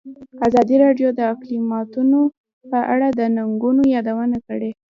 ازادي راډیو د اقلیتونه په اړه د ننګونو یادونه کړې.